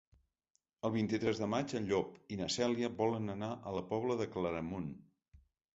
El vint-i-tres de maig en Llop i na Cèlia volen anar a la Pobla de Claramunt.